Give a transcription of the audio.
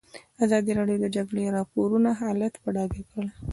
ازادي راډیو د د جګړې راپورونه حالت په ډاګه کړی.